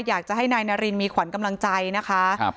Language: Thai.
อยากจะให้นายนารินมีขวัญกำลังใจนะคะ